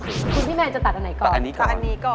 คุณพี่แมนจะตัดอันไหนก่อนตัดอันนี้ก่อน